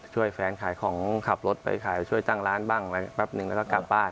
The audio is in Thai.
ช่วยแฟนขายของขับรถไปช่วยจ้างร้านบ้างแป๊บนึงเราก็กลับบ้าน